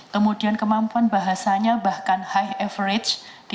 kemudian kemampuan bahasanya bahkan high average